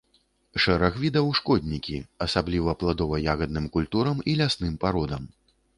Шэраг відаў шкоднікі, асабліва пладова-ягадным культурам і лясным пародам.